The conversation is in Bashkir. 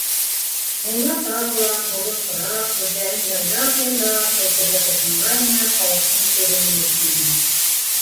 Мулла тағы ла һуҙыңҡырап, һүҙҙәрен яйлап-яйлап әйтергә тотонғайны, халыҡтың түҙеме етмәне.